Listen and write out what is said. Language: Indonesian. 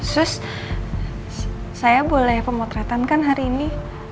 terus saya boleh pemotretan kan hari ini